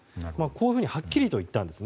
こういうふうにはっきりと言ったんです。